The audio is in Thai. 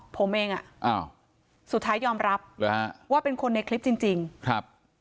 ผมเองอ่ะอ้าวสุดท้ายยอมรับหรือฮะว่าเป็นคนในคลิปจริงจริงครับ